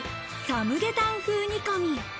サムゲタン風煮込み。